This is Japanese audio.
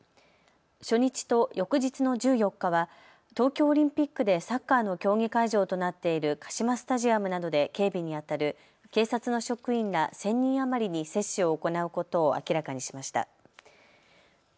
初日と翌日の１４日は東京オリンピックでサッカーの競技会場となっているカシマスタジアムなどで警備にあたる警察の職員ら１０００人余りに接種を行うことを明らかにしました。